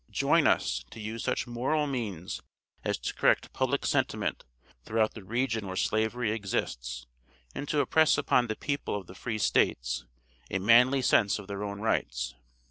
Join us, to use such moral means as to correct public sentiment throughout the region where slavery exists, and to impress upon the people of the Free states a manly sense of their own rights.